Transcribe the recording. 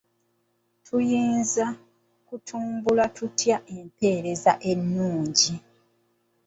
Tuyinza kutumbula tutya empeereza ennungi?